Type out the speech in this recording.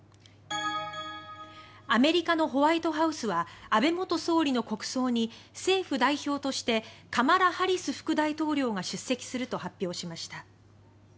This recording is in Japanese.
アメリカのホワイトハウスは安倍元総理の国葬に政府代表としてカマラ・ハリス副大統領が出席すると発表しました。